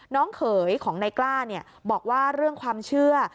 เขยของนายกล้าบอกว่าเรื่องความเชื่อ